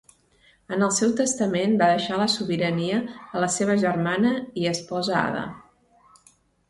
En el seu testament va deixar la sobirania a la seva germana i esposa Ada.